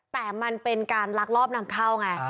แต่มันเป็นการลักลอบนำเข้าไง